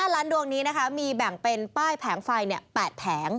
ล้านดวงนี้นะคะมีแบ่งเป็นป้ายแผงไฟ๘แผง